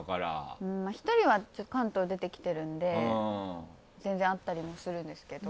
１人は関東出てきてるんで全然会ったりもするんですけど。